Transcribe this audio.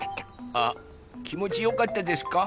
あきもちよかったですか？